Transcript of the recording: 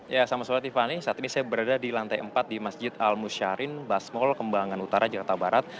ya selamat sore tiffany saat ini saya berada di lantai empat di masjid al musyarin basmol kembangan utara jakarta barat